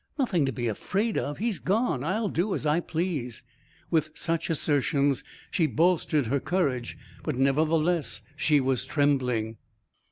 "Nothing to be afraid of. He's gone. I'll do as I please." With such assertions she bolstered her courage, but nevertheless she was trembling....